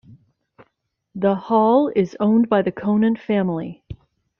The Hall is owned by the Conant family.